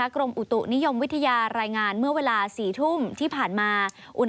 กรมอุตุนิยมวิทยารายงานเมื่อเวลา๔ทุ่มที่ผ่านมา